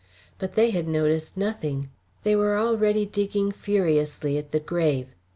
But they had noticed nothing; they were already digging furiously at the grave.